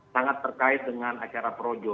sangat terkait dengan acara projo